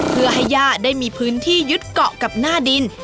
เพื่อให้ย่าได้มีพื้นที่ยึดเกาะกับหน้าดิน